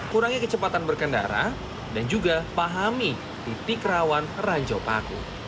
kurangi kecepatan berkendara dan juga pahami titik rawan ranjau paku